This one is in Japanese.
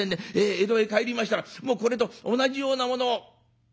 江戸へ帰りましたらもうこれと同じようなものを。